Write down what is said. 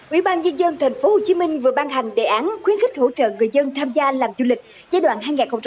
ủy ban nhân dân tp hcm vừa ban hành đề án khuyến khích hỗ trợ người dân tham gia làm du lịch giai đoạn hai nghìn một mươi chín hai nghìn hai mươi